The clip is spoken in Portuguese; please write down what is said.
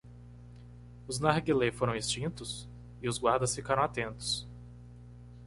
Os narguilé foram extintos? e os guardas ficaram atentos.